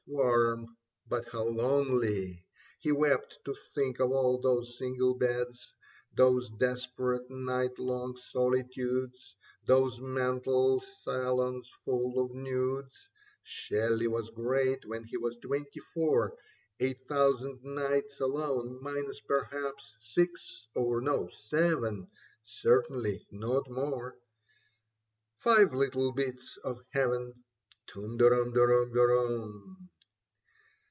Warm, but how lonely ! He wept to think of all those single beds, Those desperate night long solitudes. Those mental Salons full of nudes. Shelley was great when he was twenty four. Eight thousand nights alone — minus, perhaps, Six, or no ! seven, certainly not more. Five little bits of heaven (Tum de rum, de rum, de rum).